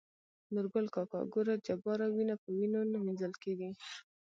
نورګل کاکا :ګوره جباره وينه په وينو نه مينځل کيږي.